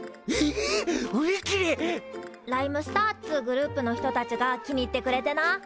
ライムスターっつうグループの人たちが気に入ってくれてな。